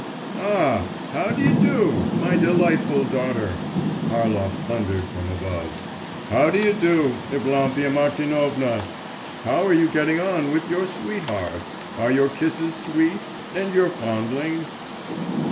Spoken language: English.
'Ah, how d'ye do! my delightful daughter!' Harlov thundered from above. 'How d'ye do! Evlampia Martinovna! How are you getting on with your sweetheart? Are your kisses sweet, and your fondling?